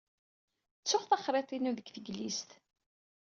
Ttuɣ taxriḍt-inu deg teklizt.